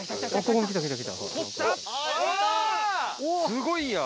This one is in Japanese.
すごいや。